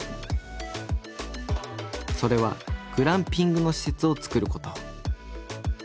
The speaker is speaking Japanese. それはグランピングの施設を作ること。